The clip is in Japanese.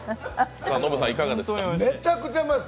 めちゃくちゃうまいです！